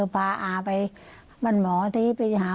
เผาเป็นหมอที่ไปหาหมอ